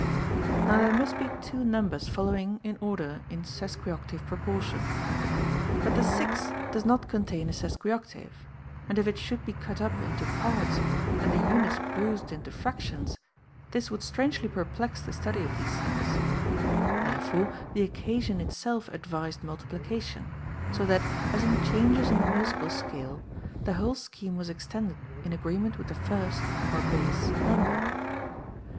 Now there must be two numbers following in order in sesquioctave proportion. * Tiinaeus, p. 36 A. 3 18 9 54 27 162 OF TIIE PROCREATION OF THE SOUL. 34ί> But the six does not contain a sesquioctave ; and if it should be cut up into parts and the units bruised into frac tions, this would strangely perplex the study of these things. Therefore the occasion itself advised multiplication ; so that, as in changes in the musical scale, the whole scheme was extended in agreement with the first (or base) number.